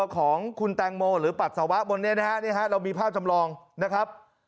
ของคุณแตงโมหรือปัสสาวะบนนี้นะฮะเรามีภาพจำลองนะครับ